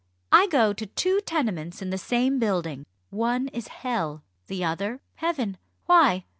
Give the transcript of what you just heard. I go to two tenements in the same building. One is Hell the other Heaven. Why?